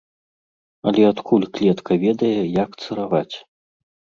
Але адкуль клетка ведае, як цыраваць?